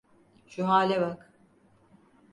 Şu hale bak!